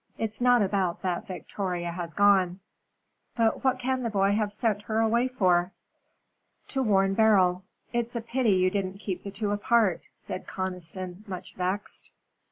"It's not about that Victoria has gone." "But what can the boy have sent her away for?" "To warn Beryl. It's a pity you didn't keep the two apart," said Conniston, much vexed.